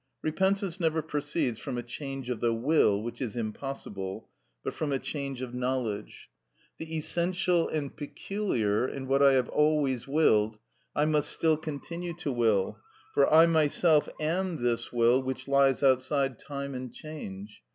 Repentance never proceeds from a change of the will (which is impossible), but from a change of knowledge. The essential and peculiar in what I have always willed I must still continue to will; for I myself am this will which lies outside time and change.